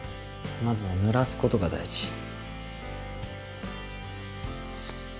まずは濡らすことが大事。